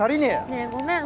ねえごめん。